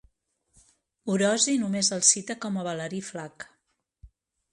Orosi només el cita com a Valeri Flac.